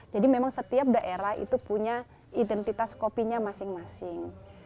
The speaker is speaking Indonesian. jadi memang setiap daerah itu punya identitas kopinya masing masing